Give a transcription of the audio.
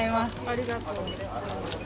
ありがとうございます。